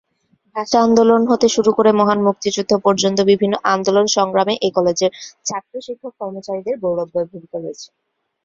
ভাষা আন্দোলন হতে শুরু করে মহান মুক্তিযুদ্ধ পর্যন্ত বিভিন্ন আন্দোলন সংগ্রামে এ কলেজের ছাত্র-শিক্ষক-কর্মচারীদের গৌরবময় ভূমিকা রয়েছে।